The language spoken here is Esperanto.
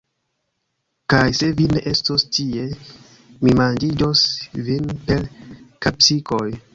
Kaj, se vi ne estos tie, mi manĝiĝos vin per kapsikoj!